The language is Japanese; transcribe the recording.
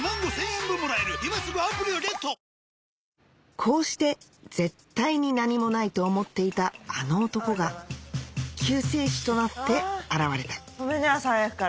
こうして絶対に何もないと思っていたあの男が救世主となって現れたごめんね朝早くから。